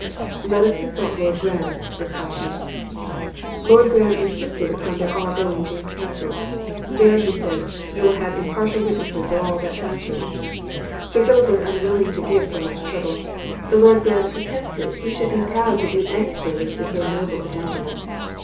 "Let us consult Lord Graham," replied he. Lord Graham insisted upon their going all to his castle: "There," said he, "you will have impartial witnesses of all that passes." Sir Philip was unwilling to give so much trouble. The Lord Graham protested he should be proud to do any service to so noble a gentleman.